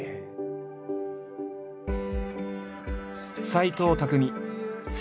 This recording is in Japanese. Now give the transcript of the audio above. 斎藤工